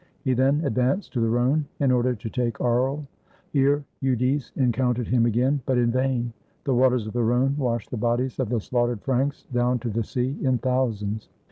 He then advanced to the Rhone in order to take Aries. Here Eudes encountered him again, but in vain ; the waters of the Rhone washed the bodies of the slaughtered Franks down to the sea in thousands.